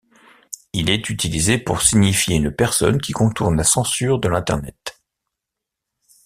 Il est utilisé pour signifier une personne qui contourne la censure de l'Internet.